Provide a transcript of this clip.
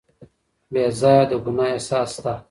بې ځایه د ګناه احساس شته.